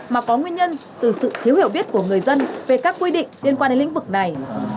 mà có nguyên nhân từ sự thiếu hiểu biết của người dân về các quy định liên quan đến lĩnh vực này